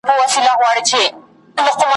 نه په ښکار سوای د هوسیانو خوځېدلای `